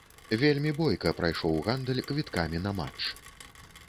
Вельмі бойка прайшоў гандаль квіткамі на матч.